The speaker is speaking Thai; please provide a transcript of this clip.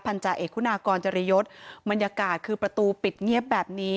จาเอกคุณากรจริยศบรรยากาศคือประตูปิดเงียบแบบนี้